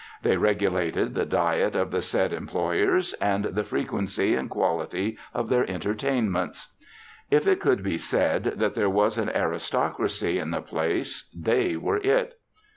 They regulated the diet of the said employers and the frequency and quality of their entertainments. If it could be said that there was an aristocracy in the place they were it.